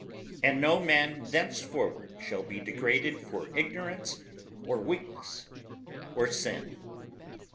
and no man thenceforward shall be degraded for ignorance or weakness or sin.